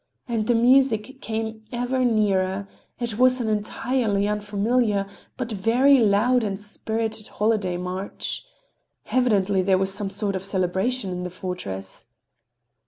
And the music came ever nearer—it was an entirely unfamiliar but a very loud and spirited holiday march. Evidently there was some sort of celebration in the fortress.